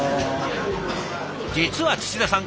実は田さん